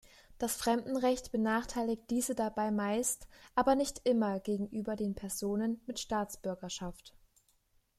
Das Fremdenrecht benachteiligt diese dabei meist, aber nicht immer, gegenüber den Personen mit Staatsbürgerschaft.